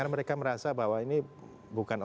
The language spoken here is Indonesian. karena mereka merasa bahwa ini bukan